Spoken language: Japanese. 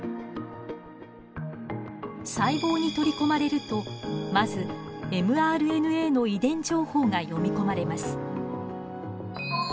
細胞に取り込まれるとまずｍＲＮＡの遺伝情報が読み込まれます。